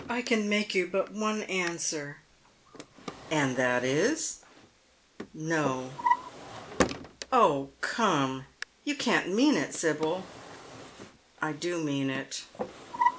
I can make you but one answer." " And that is " "No." " Oh, come, you can't mean it, Sibyl." *' I do mean it."